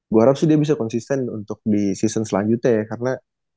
gue harap sih dia bisa konsisten untuk di season selanjutnya ya karena